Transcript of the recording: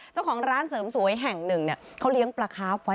เจ้าของร้านเสริมสวยแห่งหนึ่งเขาเลี้ยงปลาคาฟไว้